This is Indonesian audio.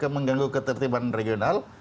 mengganggu ketertiban regional